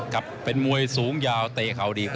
กับเป็นมวยสูงยาวเตะเขาดี